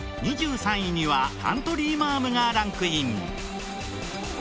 ２３位にはカントリーマアムがランクイン。